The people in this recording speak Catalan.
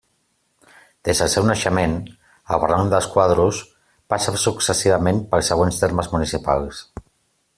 Des del seu naixement, el Barranc dels Quadros passa successivament pels següents termes municipals.